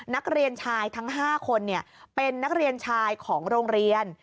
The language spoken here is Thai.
นักเรียนชายทั้ง๕คนเป็นนักเรียนชายของโรงเรียน